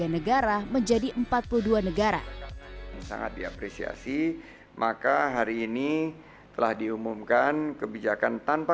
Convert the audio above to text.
negara menjadi empat puluh dua negara sangat diapresiasi maka hari ini telah diumumkan kebijakan tanpa